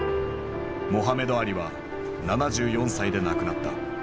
モハメド・アリは７４歳で亡くなった。